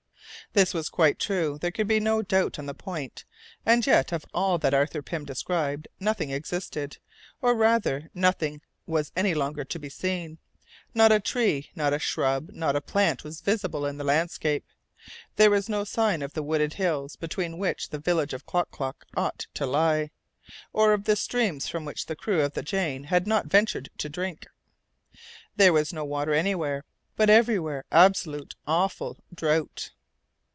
This was quite true, there could be no doubt on the point, and yet of all that Arthur Pym described nothing existed, or rather, nothing was any longer to be seen. Not a tree, not a shrub, not a plant was visible in the landscape. There was no sign of the wooded hills between which the village of Klock Klock ought to lie, or of the streams from which the crew of the Jane had not ventured to drink. There was no water anywhere; but everywhere absolute, awful drought.